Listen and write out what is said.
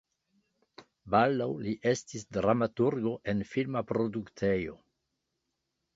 Baldaŭ li estis dramaturgo en filma produktejo.